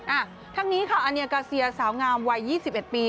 อ่ะทั้งนี้ค่ะอัเนียกาเซียสาวงามวัยยี่สิบเอ็ดปี